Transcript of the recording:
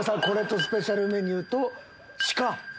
これとスペシャルメニューと鹿。